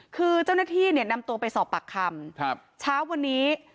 คือเจ้าหน้าที่เนี่ยนำตัวไปสอบปากคำเช้าวันนี้